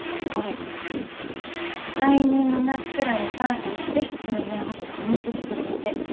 来年の夏くらいにパーティーしてそれに合わせて入籍する予定。